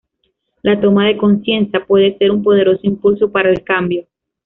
La toma de conciencia puede ser un poderoso impulso para el cambio.